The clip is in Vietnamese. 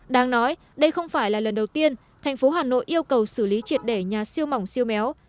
đáng nói đây không phải là lần đầu tiên thành phố hà nội yêu cầu xử lý triệt đẻ nhà siêu mỏng siêu méo